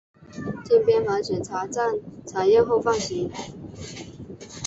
经边防检查站查验后放行。